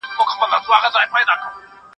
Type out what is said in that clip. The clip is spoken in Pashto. زه به اوږده موده لیکل وم